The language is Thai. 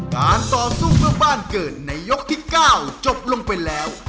การต่อสู้เพื่อบ้านเกิดในยกที่๙จบลงไปแล้ว